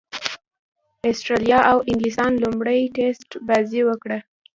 اسټراليا او انګليستان لومړۍ ټېسټ بازي وکړه.